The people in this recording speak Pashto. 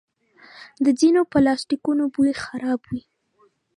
د ځینو پلاسټیکونو بوی خراب وي.